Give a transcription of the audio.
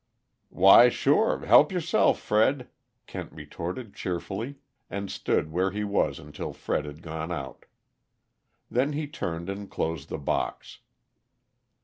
"Why, sure. Help yourself, Fred," Kent retorted cheerfully, and stood where he was until Fred had gone out. Then he turned and closed the box.